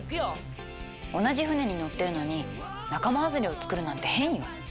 同じ船に乗ってるのに仲間外れを作るなんて変よ。